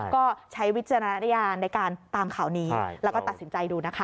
ก็ใช้วิจารณญาณในการตามข่าวนี้แล้วก็ตัดสินใจดูนะคะ